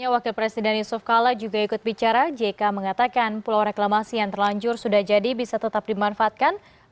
wakil presiden yusuf kala juga ikut bicara jk mengatakan pulau reklamasi yang terlanjur sudah jadi bisa tetap dimanfaatkan